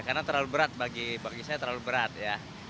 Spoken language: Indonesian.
karena terlalu berat bagi saya terlalu berat ya